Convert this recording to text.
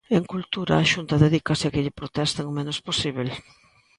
En cultura a Xunta dedícase a que lle protesten o menos posíbel.